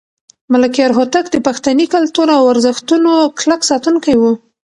ملکیار هوتک د پښتني کلتور او ارزښتونو کلک ساتونکی و.